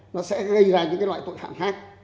nó sẽ gây ra những loại tội hạm khác